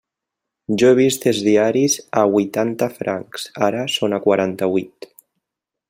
Jo he vist els diaris a huitanta francs, ara són a quaranta-huit.